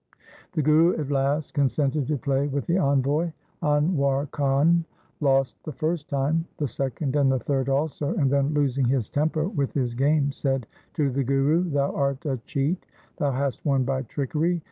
The Guru at last con sented to play with the envoy. Anwar Khan lost the first time, the second, and the third also, and then losing his temper with his game said to the Guru, ' Thou art a cheat, thou hast won by trickery